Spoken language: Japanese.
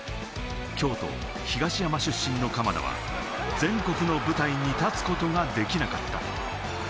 京都・東山出身の鎌田は全国の舞台に立つことができなかった。